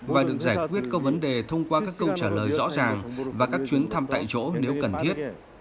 và được giải quyết có vấn đề thông qua các câu trả lời rõ ràng và các chuyến thăm tại chỗ nếu cần thiết